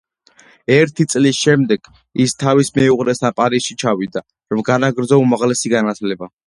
ერთი წლის შემდეგ, ის თავის მეუღლესთან პარიზში ჩავიდა, რომ განაგრძო უმაღლესი განათლება.